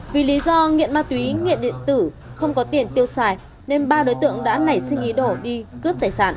vì lý do nghiện ma túy nghiện điện tử không có tiền tiêu xài nên ba đối tượng đã nảy sinh ý đổ đi cướp tài sản